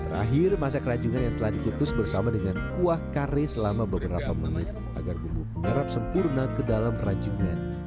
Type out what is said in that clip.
terakhir masak rajungan yang telah dikukus bersama dengan kuah kare selama beberapa menit agar bumbu menyerap sempurna ke dalam ranjungan